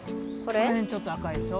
この辺ちょっと赤いでしょ。